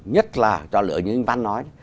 nhất là chọn lựa như anh văn nói